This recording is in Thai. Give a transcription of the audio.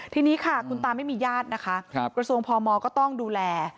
ทีนี้ค่ะคุณตาไม่มีญาตินะคะกระทรวงพมก็ต้องดูแล